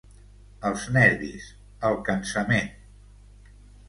Els nervis, el cansament...